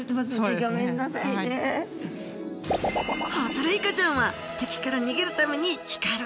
ホタルイカちゃんは敵から逃げるために光るんですね。